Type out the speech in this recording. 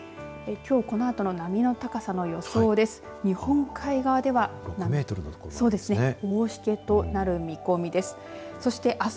きょうこのあとの波の高さの予想です。